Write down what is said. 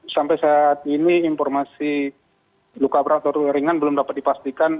sampai saat ini informasi luka berat atau ringan belum dapat dipastikan